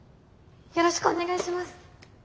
よろしくお願いします。